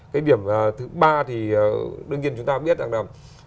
cái điểm thứ ba thì đương nhiên chúng ta biết rằng là